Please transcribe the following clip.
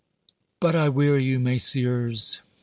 But I weary you, Messieurs."